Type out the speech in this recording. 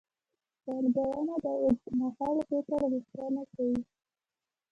پانګونه د اوږدمهال فکر غوښتنه کوي.